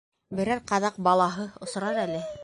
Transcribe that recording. Берәр ҡаҙаҡ балаһы осрар әле.